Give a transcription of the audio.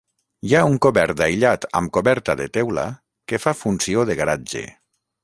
Hi ha un cobert aïllat amb coberta de teula que fa funció de garatge.